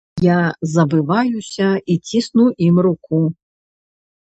Я забываюся і цісну ім руку.